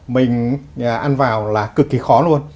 mình ăn vào là cực kỳ khó luôn